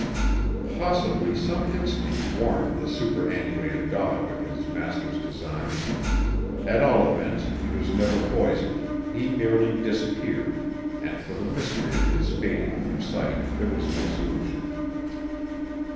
Possibly some instinct warned the superannuated dog of his master's design. At all events he was never poisoned he merely disappeared, and for the mystery of his fading from sight there was no solution.